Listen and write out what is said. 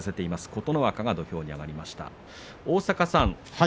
琴ノ若が土俵に上がりました。